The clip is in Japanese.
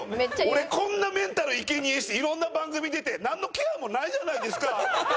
俺こんなメンタル生け贄にして色んな番組出てなんのケアもないじゃないですか。